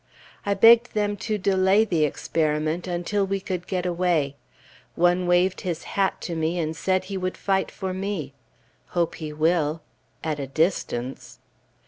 I begged them to delay the experiment until we could get away. One waved his hat to me and said he would fight for me. Hope he will at a distance.